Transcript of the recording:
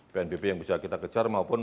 pnbp yang bisa kita kejar maupun